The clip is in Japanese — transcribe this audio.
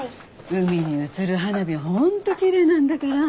海に映る花火はホント奇麗なんだから。